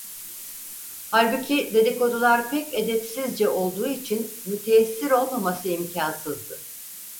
Halbuki dedikodular pek edepsizce olduğu için müteessir olmaması imkansızdı.